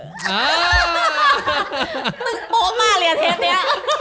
นึกโป๊ะมาเลยอาเทศเนี้ย